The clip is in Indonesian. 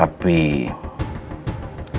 bapak bisa sampai ke sini